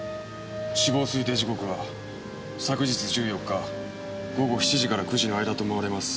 死亡推定時刻は昨日１４日午後７時から９時の間と思われます。